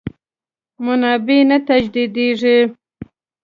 منابع نه تجدیدېږي.